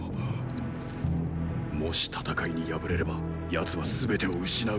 もし戦いに敗れれば奴は全てを失う。